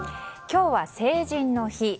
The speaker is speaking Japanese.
今日は成人の日。